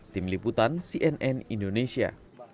tim liputan cnn indonesia